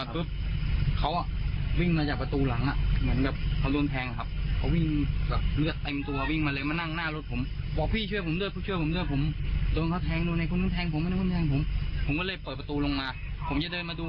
พอเขาเสียรถออกประตูลงมาของกันมาดู